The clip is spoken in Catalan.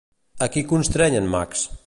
A qui constreny en Max?